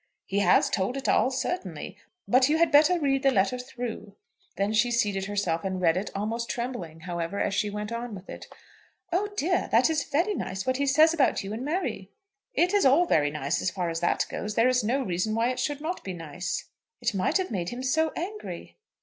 "He has told it all, certainly. But you had better read the letter through." Then she seated herself and read it, almost trembling, however, as she went on with it. "Oh dear; that is very nice what he says about you and Mary." "It is all very nice as far as that goes. There is no reason why it should not be nice." "It might have made him so angry!"